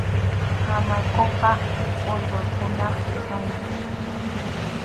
Hamakʼuqa uywakunap usanmi.